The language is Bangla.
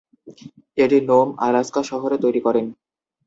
এটি নোম, আলাস্কা শহরে তৈরি করেন।